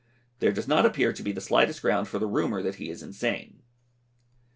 There does not appear to be the slightest ground for the rumour that he is insane.